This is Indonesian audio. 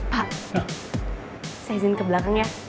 pak saya izin ke belakang ya